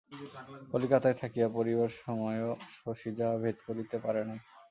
কলিকাতায় থাকিয়া পড়িবার সময়ও শশী যাহা ভেদ করিতে পারে নই।